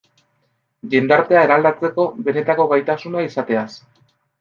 Jendartea eraldatzeko benetako gaitasuna izateaz.